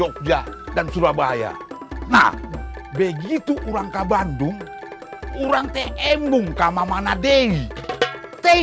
kan kok gak diangkat